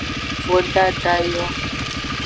Vodada yo.